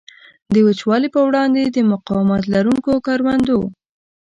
د وچوالي په وړاندې د مقاومت لرونکو کروندو.